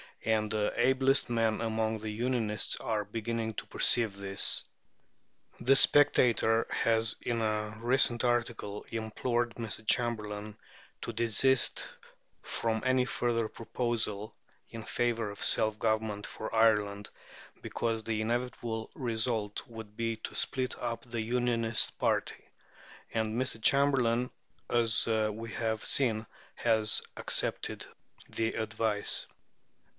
And the ablest men among the "Unionists" are beginning to perceive this. The Spectator has in a recent article implored Mr. Chamberlain to desist from any further proposal in favour of self government for Ireland, because the inevitable result would be to split up the Unionist party; and Mr. Chamberlain, as we have seen, has accepted the advice.